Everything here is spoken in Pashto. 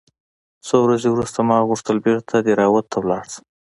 څو ورځې وروسته ما غوښتل بېرته دهراوت ته ولاړ سم.